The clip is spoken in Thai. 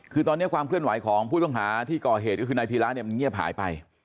คือตอนนี้ความเคลื่อนไหวของผู้ต้องหาที่ก่อเหตุก็คือนายพีระเนี่ยมันเงียบหายไป